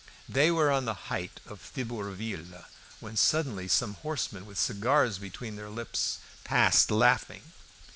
They were on the heights of Thibourville when suddenly some horsemen with cigars between their lips passed laughing.